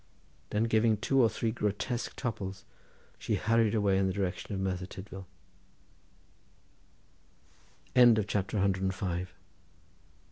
then giving two or three grotesque topples she hurried away in the direction of Merthyr Tydvil. CHAPTER CVI Pen y G